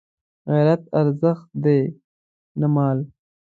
غیرت ارزښت دی نه مال